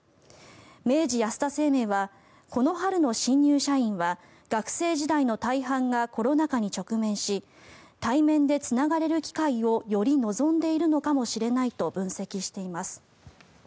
明治安田生命はこの春の新入社員は学生時代の大半がコロナ禍に直面し対面でつながれる機会をより望んでいるのかもしれないと分析しています。